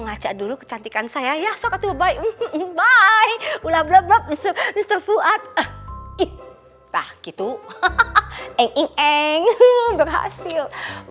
kerja dulu kecantikan saya ya sokat bye bye ula blablabla mister fuad itu engg berhasil